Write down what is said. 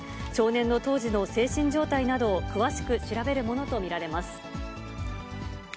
少年の当時の精神状態などを詳しく調べるものと見られます。